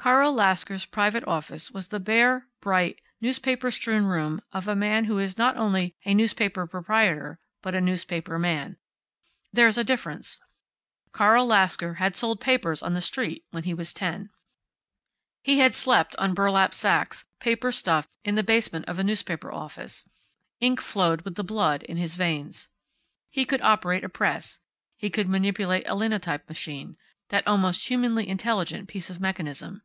Carl Lasker's private office was the bare, bright, newspaper strewn room of a man who is not only a newspaper proprietor, but a newspaper man. There's a difference. Carl Lasker had sold papers on the street when he was ten. He had slept on burlap sacks, paper stuffed, in the basement of a newspaper office. Ink flowed with the blood in his veins. He could operate a press. He could manipulate a linotype machine (that almost humanly intelligent piece of mechanism).